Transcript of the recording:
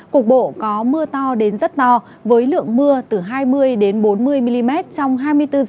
cục bộ có mưa to đến rất no với lượng mưa từ hai mươi bốn mươi mm trong hai mươi bốn h